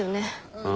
うん。